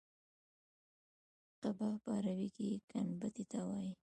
قبه په عربي کې ګنبدې ته وایي.